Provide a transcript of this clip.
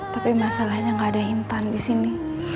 tapi masalahnya nggak ada intan di sini